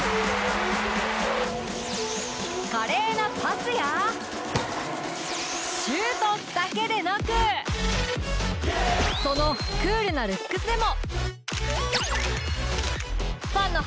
華麗なパスやシュートだけでなくそのクールなルックスでも。